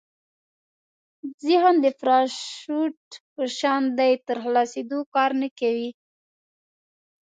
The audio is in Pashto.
ذهن د پراشوټ په شان دی تر خلاصېدو کار نه کوي.